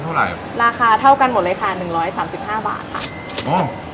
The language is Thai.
ราคาเท่ากันหมดเลยค่ะ๑๓๕บาท